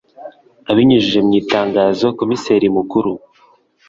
Abinyujije mu itangazo Komiseri Mukuru